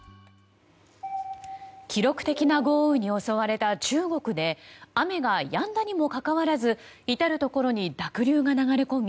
記録的な豪雨に襲われた中国で雨がやんだにもかかわらず至るところに濁流が流れ込み